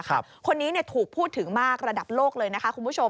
คนนี้ถูกพูดถึงมากระดับโลกเลยนะคะคุณผู้ชม